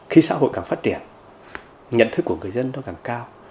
khi xã hội càng phát triển nhận thức của người dân nó càng cao